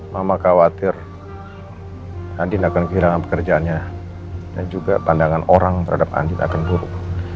mama khawatir akan kehilangan pekerjaannya dan juga pandangan orang terhadap andi akan buruk